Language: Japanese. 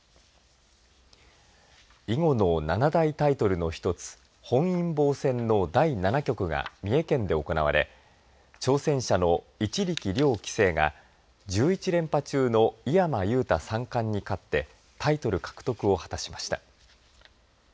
囲碁の七大タイトルの１つ本因坊戦の第７局が三重県で行われ挑戦者の一力遼棋聖が１１連覇中の井山裕太三冠に勝ってタイトル獲得を果たしました。